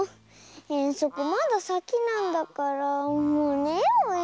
えんそくまださきなんだからもうねようよ。